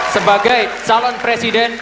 sebagai calon presiden